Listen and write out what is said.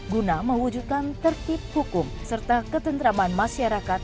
guna mewujudkan tertib hukum serta ketentraman masyarakat